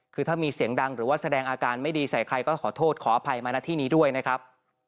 คือถ้ามีเสียงดังหรือว่าแสดงอาการไม่ดีใส่ใครก็ขอโทษขออภัยมาหน้าที่นี้ด้วยนะครับ